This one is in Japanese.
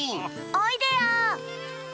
おいでよ！